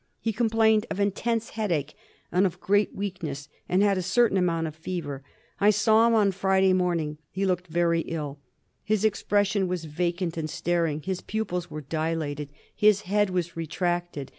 He com plained of intense headache and of great weakness, and had a certain amount of fever. I saw him on Friday morning. He looked very ill. His expression was vacant DIAGNOSIS OF MALARIA. 165 and staring; his pupils were dilated; his head was re tracted.